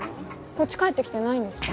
こっち帰ってきてないんですか？